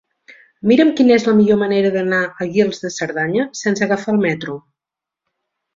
Mira'm quina és la millor manera d'anar a Guils de Cerdanya sense agafar el metro.